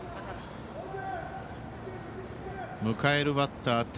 迎えるバッター